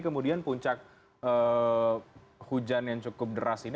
kemudian puncak hujan yang cukup deras ini